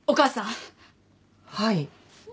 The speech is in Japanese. はい。